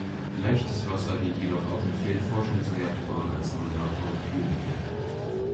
Leichtes Wasser dient jedoch auch in vielen Forschungsreaktoren als Moderator und Kühlmittel.